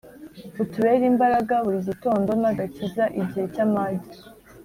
Utubere imbaraga buri gitondo, n’agakiza igihe cy’amage.